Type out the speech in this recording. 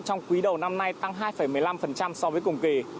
trong quý đầu năm nay tăng hai một mươi năm so với cùng kỳ